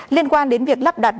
liên quan đến việc lắp đặt